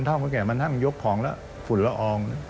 เท่าเหมือนแกมานั่งยกของแล้วฝุ่นละออง